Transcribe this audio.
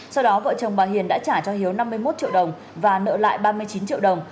sau đó vợ chồng bà hiền đã trả cho hiếu năm mươi một triệu đồng và nợ lại ba mươi chín triệu đồng